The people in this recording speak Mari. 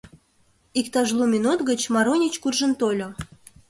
Иктаж лу минут гыч Марунич куржын тольо.